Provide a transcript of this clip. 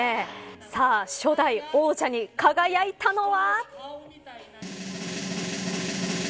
さあ、初代王者に輝いたのは。